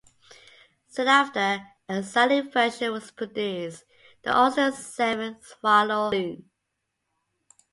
Soon after, a saloon version was produced: the Austin Seven Swallow Saloon.